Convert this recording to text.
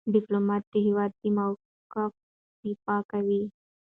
ډيپلومات د هېواد د موقف دفاع کوي.